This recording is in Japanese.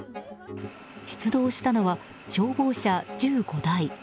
出動したのは消防車１５台。